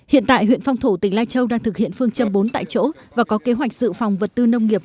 hiện tại huyện phong thổ tỉnh lai châu đang thực hiện phương châm bốn tại chỗ và có kế hoạch dự phòng vật tư nông nghiệp